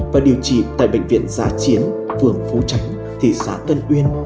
và điều trị tại bệnh viện giá chiến vườn phú tránh thị xã tân uyên